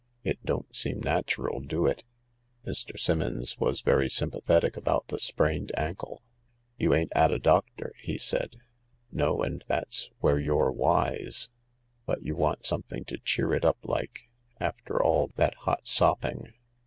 It don't seem natural, do it ?" Mr. Simmons was very sympathetic about the sprained ankle. " You ain't 'ad a doctor ?" he said. " No, and that's where you're wise. But you want something to cheer it up like, after all that hot sopping.